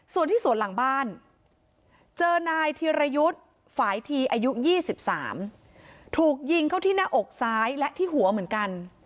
ส่วนที่สวนหลังบ้านเจอนายธีรยุทธ์ฝ่ายทีอายุ๒๓ถูกยิงเข้าที่หน้าอกซ้ายและที่หัวเหมือนกัน